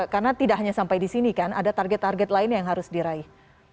karena tidak hanya sampai di sini kan ada target target lain yang harus diraih